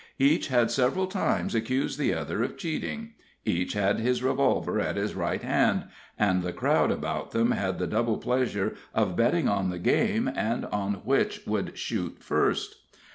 Each had several times accused the other of cheating; each had his revolver at his right hand; and the crowd about them had the double pleasure of betting on the game and on which would shoot first.